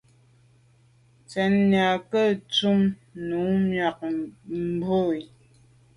Ntsenyà nke ntum num miag mube.